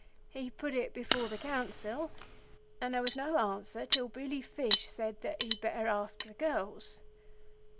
He put it before the Council, and there was no answer till Billy Fish said that he'd better ask the girls.